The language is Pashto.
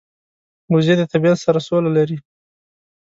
وزې د طبیعت سره سوله لري